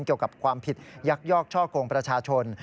เกี่ยวกับความผิดยักยอกช่อกงประชาชน